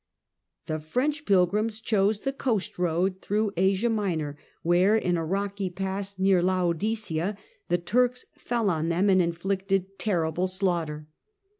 The French pilgrims chose the coast road through Asia Minor, where, in a rocky pass near Laodicea, the Turks fell on them and inflicted terrible slaughter.